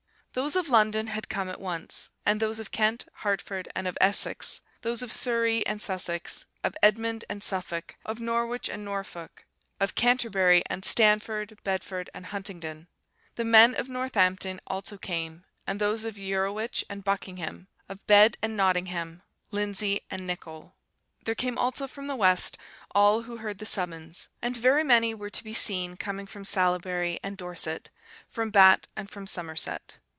"Those of London had come at once, and those of Kent, Hartfort, and of Essesse; those of Suree and Susesse, of St. Edmund and Sufoc; of Norwis and Norfoc; of Cantorbierre and Stanfort Bedefort and Hundetone. The men of Northanton also came; and those of Eurowic and Bokingkeham, of Bed and Notinkeham, Lindesie and Nichole. There came also from the west all, who heard the summons; and very many were to be seen coming from Salebiere and Dorset, from Bat and from Somerset.